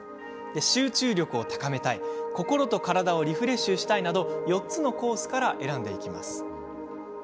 「集中力を高めたい」「心と体をリフレッシュしたい」など４つのコースから選びます。